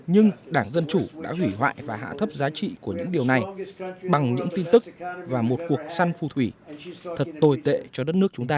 nhưng đảng dân chủ đã hủy hoại và hạ thấp giá trị của những điều này bằng những tin tức và một cuộc săn phu thủy thật tồi tệ cho đất nước chúng ta